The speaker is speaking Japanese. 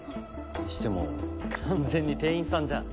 にしても完全に店員さんじゃん。